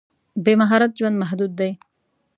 بې مهارت ژوند محدود دی.